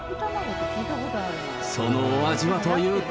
そのお味はというと。